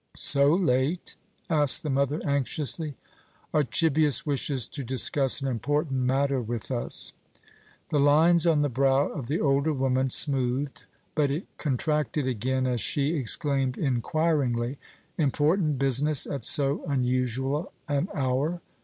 "So late?" asked the mother anxiously. "Archibius wishes to discuss an important matter with us." The lines on the brow of the older woman smoothed, but it contracted again as she exclaimed inquiringly: "Important business at so unusual an hour!